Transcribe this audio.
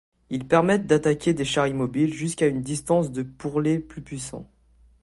Ils permettent d'attaquer des chars immobiles jusqu'à une distance de pour les plus puissants.